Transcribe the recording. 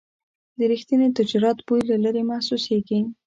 د رښتیني تجارت بوی له لرې محسوسېږي.